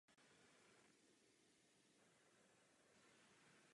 Musíme splatit tento dluh, který je záležitostí naší cti.